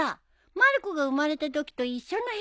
まる子が生まれたときと一緒の部屋だ。